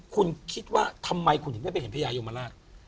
คุณคิดว่าทำไมคุณถึงได้ไปเห็นพญายมราช